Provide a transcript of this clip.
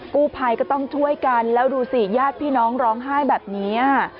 กู้ภัยก็ต้องช่วยกันแล้วดูสิญาติพี่น้องร้องไห้แบบนี้